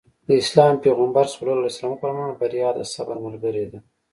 د اسلام پيغمبر ص وفرمايل بريا د صبر ملګرې ده.